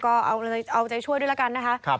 ก็เอาใจช่วยด้วยละกันนะครับครับ